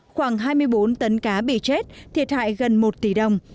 khoảng hai mươi bốn tấn cá bị chết thiệt hại gần một tỷ đồng